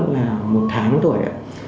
là một tháng thôi